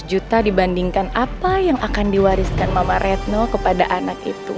lima ratus juta dibandingkan apa yang akan diwariskan mama retno kepada anak itu